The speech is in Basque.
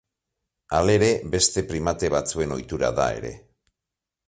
Halere, beste primate batzuen ohitura da ere.